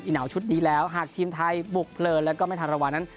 หนาวชุดนี้แล้วหากทีมไทยบุกเพลินแล้วก็ไม่ทันระวังนั้น